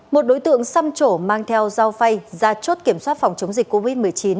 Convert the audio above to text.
một đối tượng xăm trổ mang theo dao phay ra chốt kiểm soát phòng chống dịch covid một mươi chín